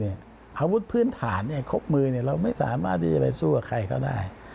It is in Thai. อาวุธพื้นฐานครบมือเราไม่สามารถที่จะไปสู้กับใครเขาได้